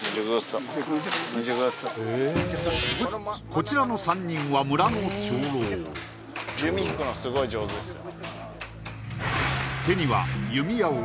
こちらの３人は村の長老弓引くのすごい上手ですよ